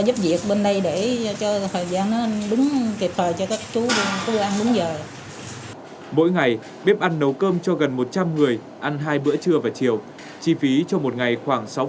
mỗi ngày bếp ăn nấu cơm cho gần một trăm linh người ăn hai bữa trưa và chiều chi phí cho một ngày khoảng sáu mươi